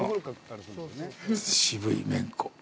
渋いめんこ。